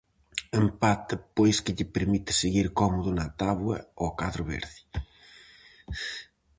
Empate pois que lle permite seguir cómodo na táboa ao cadro verde.